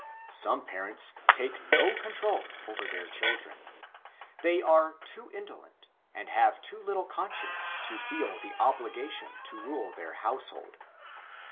Some parents take no control over their children. They are too indolent, and have too little conscience to feel the obligation to rule their household.